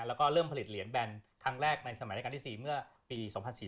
แล้วก็เริ่มผลิตเหรียญแบนครั้งแรกในสมัยรายการที่๔เมื่อปี๒๔๔